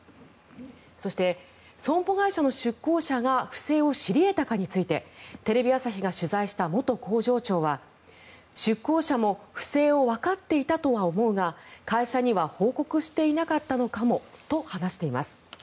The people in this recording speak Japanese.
そして、損保会社の出向者が不正を知り得たかについてテレビ朝日が取材した元工場長は出向者も不正をわかっていたとは思うが会社には報告していなかったのかもと話しています。